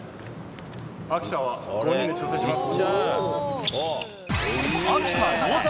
秋田は５人で挑戦します。